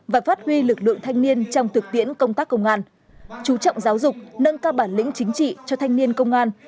và phát huy lực lượng thanh niên trong thực tiễn công tác công an chú trọng giáo dục nâng cao bản lĩnh chính trị cho thanh niên công an